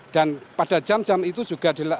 dan pada jam jam itu juga berubah